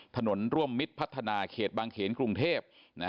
ถนนร่วมมิตรพัฒนาเขตบางเขนกรุงเทพ